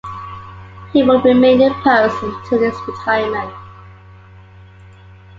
He would remain in the post until his retirement.